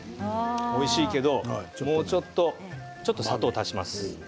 おいしいけど、もうちょっと砂糖を足します。